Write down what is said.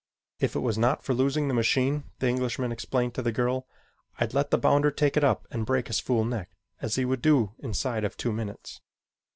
"If it was not for losing the machine," the Englishman explained to the girl, "I'd let the bounder take it up and break his fool neck as he would do inside of two minutes."